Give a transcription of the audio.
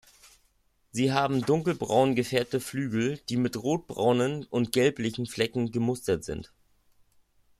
Sie haben dunkelbraun gefärbte Flügel, die mit rotbraunen und gelblichen Flecken gemustert sind.